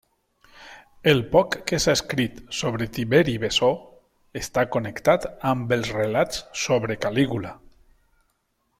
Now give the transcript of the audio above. El poc que s'ha escrit sobre Tiberi Bessó està connectat amb els relats sobre Calígula.